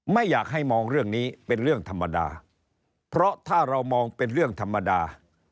ไม่อยากให้มองเรื่องนี้เป็นเรื่องธรรมดาเพราะถ้าเรามองเป็นเรื่องธรรมดา